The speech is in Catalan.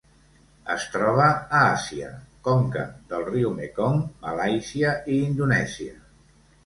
Es troba a Àsia: conca del riu Mekong, Malàisia i Indonèsia.